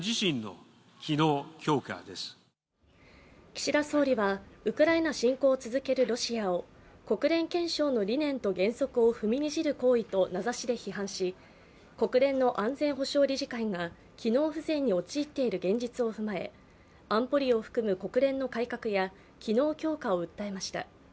岸田総理はウクライナ侵攻を続けるロシアを国連憲章の理念と原則を踏みにじる行為と名指しで批判し国連の安全保障理事会が機能不全に陥っている現実を踏まえ安保理を含む国連の改革や機能強化を訴えました。